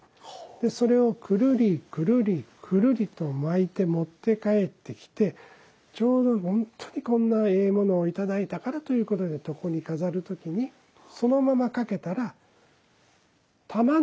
それをくるりくるりくるりと巻いて持って帰ってきてちょうど本当にこんなええものを頂いたからということで床に飾る時にそのまま掛けたら珠の形宝の珠宝珠ですね。